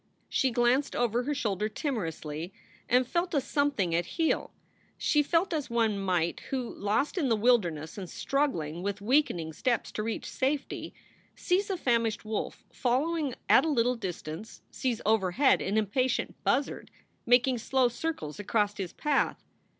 She glanced over her shoulder timorously and felt a some thing at heel. She felt as one might who, lost in the wilder ness and struggling with weakening steps to reach safety, sees a famished wolf following at a little distance, sees over head an impatient buzzard making slow circles across his path.